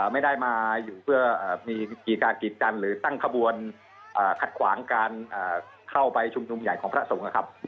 ไม่ได้มาอยู่เพื่อมีการกีดกันหรือตั้งขบวนคัดขวางการเข้าไปชุมนุมใหญ่ของพระสงฆ์นะครับ